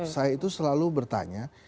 saya itu selalu bertanya